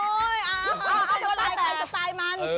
โอ้ยเอาจะตายกันจะตายมัน